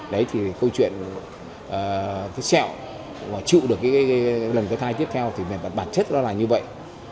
đấy thì câu chuyện cái xeo mà chịu được cái lần cái thai tiếp theo thì bản chất nó là như vậy